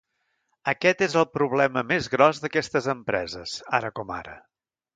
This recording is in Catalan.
Aquest és el problema més gros d’aquestes empreses, ara com ara.